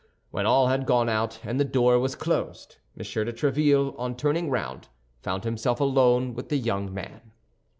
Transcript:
When all had gone out and the door was closed, M. de Tréville, on turning round, found himself alone with the young man.